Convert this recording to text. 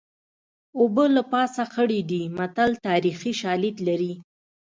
اوبه له پاسه خړې دي متل تاریخي شالید لري